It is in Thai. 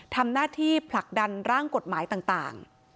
ทำหน้าที่ผลักดันร่างกฎหมายต่าง